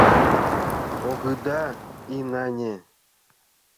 Огыда инане?